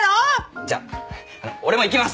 じゃあ俺も行きます！